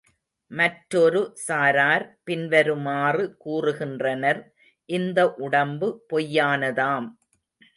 மற்றொரு சாரார் பின்வருமாறு கூறுகின்றனர் இந்த உடம்பு பொய்யானதாம்.